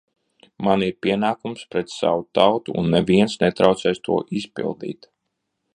Man ir pienākums pret savu tautu, un neviens netraucēs to izpildīt!